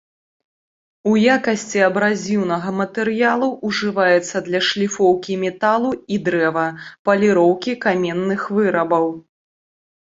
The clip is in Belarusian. У якасці абразіўнага матэрыялу ўжываецца для шліфоўкі металу і дрэва, паліроўкі каменных вырабаў.